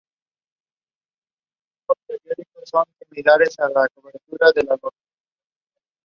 En el interior encontramos tres naves con capillas laterales.